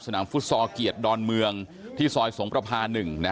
ฟุตซอลเกียรติดอนเมืองที่ซอยสงประพา๑